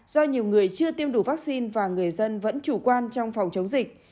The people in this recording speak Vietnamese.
do nhiều người chưa tiêm đủ vaccine và người dân vẫn chủ quan trong phòng chống dịch